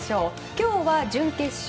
今日は、準決勝。